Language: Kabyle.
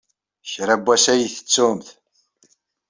Kra n wass ad iyi-tettumt.